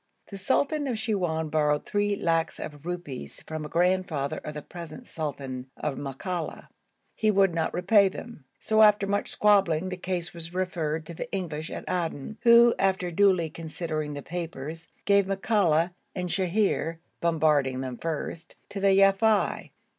The sultan of Siwoun borrowed three lacs of rupees from the grandfather of the present sultan of Makalla; he would not repay them, so after much squabbling the case was referred to the English at Aden, who, after duly considering the papers, gave Makalla and Sheher (bombarding them first) to the Yafei.